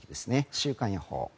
週間予報。